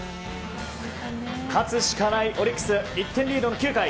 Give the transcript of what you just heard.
勝つしかないオリックス１点リードの９回。